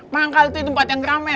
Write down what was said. manggal itu tempat yang ramai